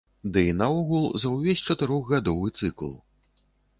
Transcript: Ды і наогул за ўвесь чатырохгадовы цыкл.